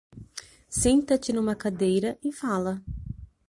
Senta-te numa cadeira e fala.